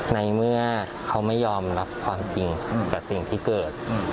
ในเมื่อเขาไม่ยอมรับความจริงกับสิ่งที่เกิด